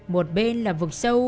một bên là vực sâu